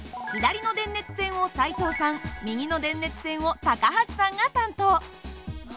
左の電熱線を斉藤さん右の電熱線を高橋さんが担当。